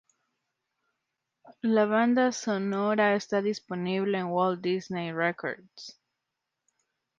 La banda sonora está disponible en Walt Disney Records.